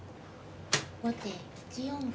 後手１四歩。